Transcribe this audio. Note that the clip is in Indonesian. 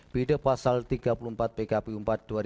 b day pasal tiga puluh empat bkpu empat dua ribu sembilan belas